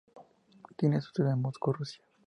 Tiene su sede en Moscú, Rusia.